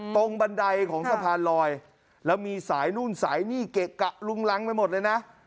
บันไดของสะพานลอยแล้วมีสายนู่นสายนี่เกะกะลุงรังไปหมดเลยนะ